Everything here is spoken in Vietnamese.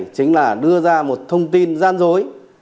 chính là đưa ra một thông tin gian dối